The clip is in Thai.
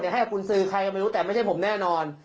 ให้กับกุญสือใครก็ไม่รู้แต่ไม่ใช่ผมแน่นอน